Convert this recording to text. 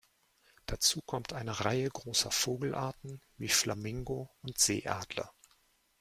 Dazu kommt eine Reihe großer Vogelarten wie Flamingo und Seeadler.